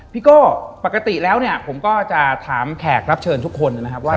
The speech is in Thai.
โก้ปกติแล้วเนี่ยผมก็จะถามแขกรับเชิญทุกคนนะครับว่า